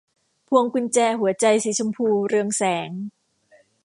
พวงกุญแจหัวใจสีชมพูเรืองแสง